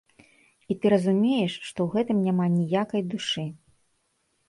І ты разумееш, што ў гэтым няма ніякай душы.